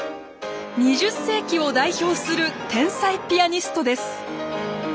２０世紀を代表する天才ピアニストです。